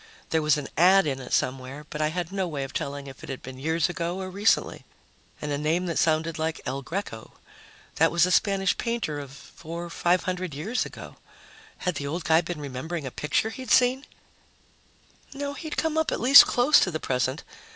There was an ad in it somewhere, but I had no way of telling if it had been years ago or recently. And a name that sounded like "El Greco." That was a Spanish painter of four five hundred years ago. Had the old guy been remembering a picture he'd seen? No, he'd come up at least close to the present.